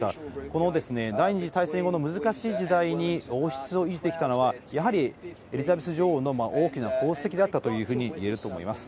この第２次大戦後の難しい時代に王室を維持できたのは、やはりエリザベス女王の大きな功績だったというふうに言えると思います。